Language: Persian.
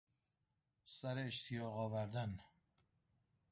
سر اشتیاق آوردن